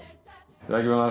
いただきます。